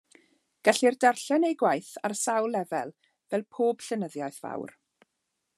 Gellir darllen ei gwaith ar sawl lefel, fel pob llenyddiaeth fawr.